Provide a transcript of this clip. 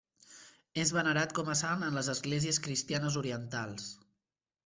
És venerat com a sant en les esglésies cristianes orientals.